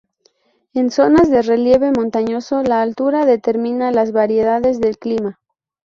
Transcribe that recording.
En zonas de relieve montañoso la altura determina las variedades del clima.